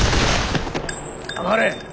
黙れ。